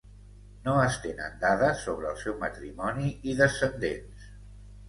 No es tenen dades sobre el seu matrimoni i descendents.